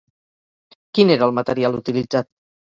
Quin era el material utilitzat?